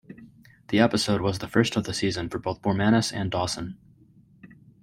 The episode was the first of the season for both Bormanis and Dawson.